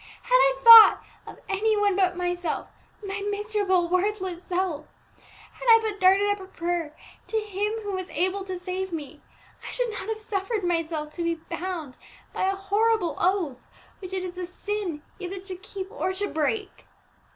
Had I thought of any one but myself, my miserable, worthless self, had I but darted up a prayer to Him who was able to save me, I should not have suffered myself to be bound by a horrible oath, which it is a sin either to keep or to break.